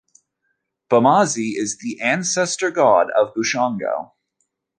Bomazi is the ancestor-god of the Bushongo.